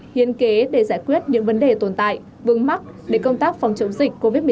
hiến kế để giải quyết những vấn đề tồn tại vương mắc để công tác phòng chống dịch covid một mươi chín